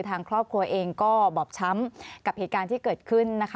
ทางครอบครัวเองก็บอบช้ำกับเหตุการณ์ที่เกิดขึ้นนะคะ